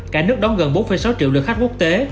cả nước đón gần bốn sáu triệu lượt khách quốc tế